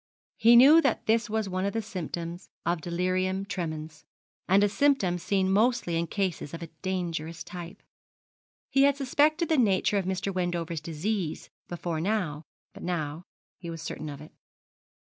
He knew that this was one of the symptoms of delirium tremens, and a symptom seen mostly in cases of a dangerous type. He had suspected the nature of Mr. Wendover's disease before now; but now he was certain of it.